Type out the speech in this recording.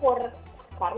saya tidak patut